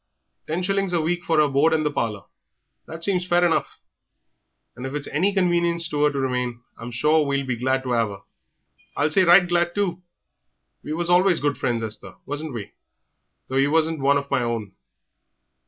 Ten shillings a week for her board and the parlour that seems fair enough; and if it's any convenience to 'er to remain, I'm sure we'll be glad to 'ave 'er. I'll say right glad, too. We was always good friends, Esther, wasn't we, though ye wasn't one of my own?"